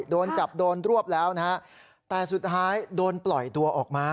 โดนจับโดนรวบแล้วนะฮะแต่สุดท้ายโดนปล่อยตัวออกมา